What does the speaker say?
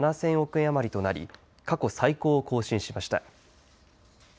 円余りとなり過去最高を更新しました。